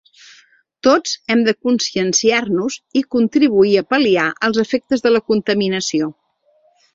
Tots hem de conscienciar-nos i contribuir a pal·liar els efectes de la contaminació.